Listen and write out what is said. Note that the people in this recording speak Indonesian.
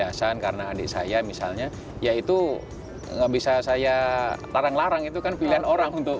ya hasan karena adik saya misalnya ya itu nggak bisa saya larang larang itu kan pilihan orang untuk